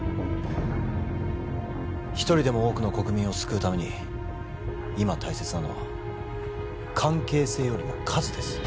一人でも多くの国民を救うために今大切なのは関係性よりも数です